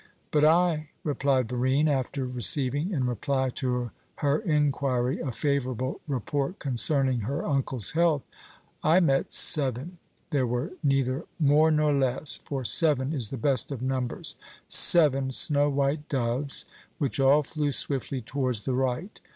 "But I," replied Barine, after receiving, in reply to her inquiry, a favourable report concerning her uncle's health "I met seven there were neither more nor less; for seven is the best of numbers seven snow white doves, which all flew swiftly towards the right.